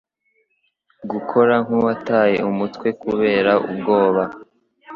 gukora nkuwataye umutwe kubera ubwoba